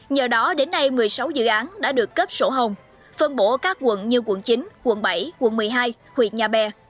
nhờ đó đến nay một mươi sáu dự án đã được cấp sổ hồng phân bổ các quận như quận chín quận bảy quận một mươi hai huyện nhà bè